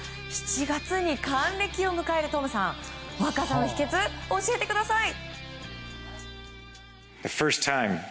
７月に還暦を迎えるトムさん若さの秘訣、教えてください！